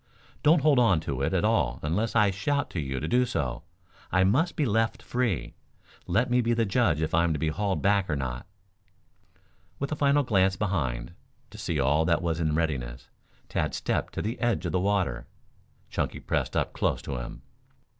"Don't hold on to it at all unless I shout to you to do so. I must be left free. Let me be the judge if I am to be hauled back or not." With a final glance behind, to see that all was in readiness, Tad stepped to the edge of the water. Chunky pressed up close to him.